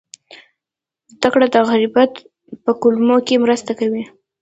زده کړه د غربت په کمولو کې مرسته کوي.